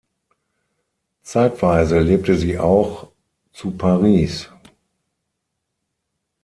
Zeitweise lebte sie auch zu Paris.